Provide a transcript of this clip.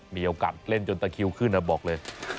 มีโอกาสเล่นจนตะคิวขึ้นนะบอกเลย